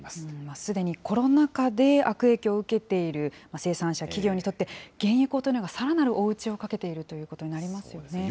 すでにコロナ禍で悪影響を受けている生産者、企業にとって、原油高騰がさらなる追い打ちをかけているということになりますよ